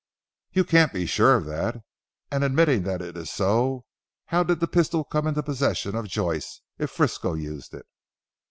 "You can't be sure of that. And admitting that it is so, how did the pistol come into possession of Joyce, if Frisco used it?"